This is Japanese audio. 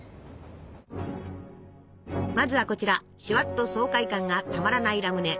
まずはこちらシュワッと爽快感がたまらないラムネ。